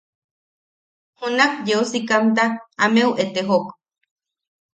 Junak yeu sikamta ameu etejok.